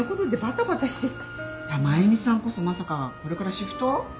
真由美さんこそまさかこれからシフト？